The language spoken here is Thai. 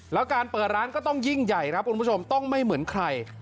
แล้วการเปิดร้านก็ต้องยิ่งใหญ่ครับคุณผู้ชมต้องไม่เหมือนใคร